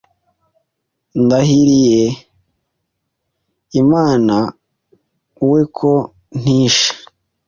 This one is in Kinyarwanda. Ndahiriye Imanawe ko ntishe .